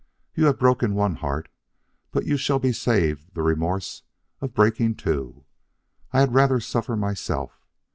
You have broken one heart, but you shall be saved the remorse of breaking two. I had rather suffer myself.